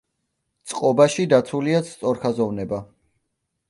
წყობაში დაცულია სწორხაზოვნება.